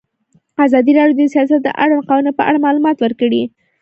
ازادي راډیو د سیاست د اړونده قوانینو په اړه معلومات ورکړي.